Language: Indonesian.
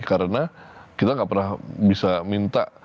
karena kita gak pernah bisa minta